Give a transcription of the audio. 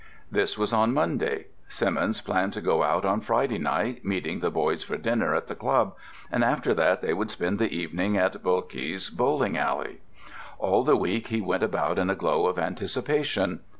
This was on Monday. Simmons planned to go out on Friday night, meeting the boys for dinner at the club, and after that they would spend the evening at Boelke's bowling alley. All the week he went about in a glow of anticipation.